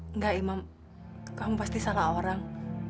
enggak imam kamu pasti salah orang